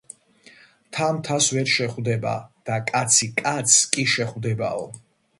მთა მთას ვერ შეხვდება და კაცი კაცს კი შეხვდებაო